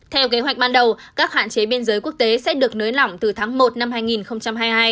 theo kế hoạch ban đầu các hạn chế biên giới quốc tế sẽ được nới lỏng từ tháng một năm hai nghìn hai mươi hai